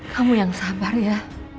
kamu yang sabar ya